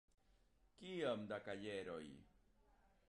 Kiom da kajeroj?